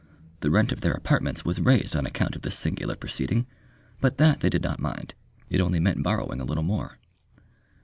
The rent of their apartments was raised on account of this singular proceeding, but that they did not mind. It only meant borrowing a little more.